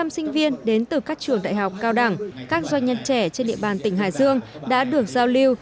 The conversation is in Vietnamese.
một trăm linh sinh viên đến từ các trường đại học cao đẳng các doanh nhân trẻ trên địa bàn tỉnh hải dương đã được giao lưu